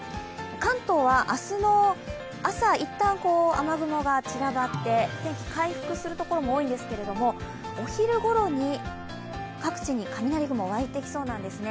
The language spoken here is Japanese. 関東は明日の朝、一旦、雨雲が散らばって、天気、回復するところも多いんですけれどもお昼ごろに各地に雷雲が湧いてきそうなんですね。